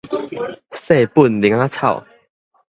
細本奶仔草